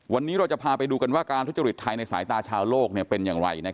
วันนี้เราจะพาไปดูกันว่าการทุจริตไทยในสายตาชาวโลกเป็นอย่างไร